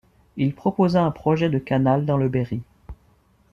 Il proposa un projet de canal dans le Berry.